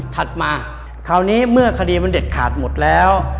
ถัดมาคราวนี้เมื่อคดีมันเด็ดขาดหมดแล้ว